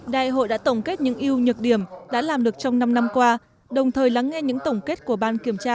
đại hội đã tổng kết những yêu nhược điểm đã làm được trong năm năm qua đồng thời lắng nghe những tổng kết của ban kiểm tra